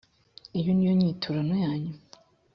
iyo ni yo nyiturano yanyu